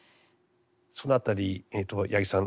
そのあたり八木さん